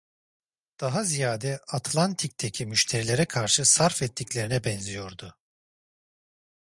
Daha ziyade Atlantik'teki müşterilere karşı sarf ettiklerine benziyordu.